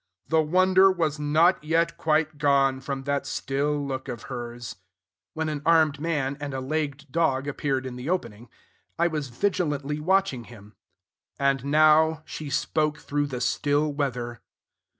"The wonder was not yet quite gone From that still look of hers," when an armed man and a legged dog appeared in the opening. I was vigilantly watching him. .... "And now She spoke through the still weather."